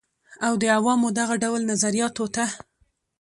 او د عوامو دغه ډول نظریاتو ته